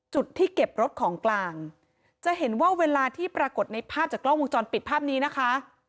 จุดที่เก็บรถของกลางจะเห็นว่าเวลาที่ปรากฏในภาพจากกล้องวงจรปิดภาพนี้นะคะ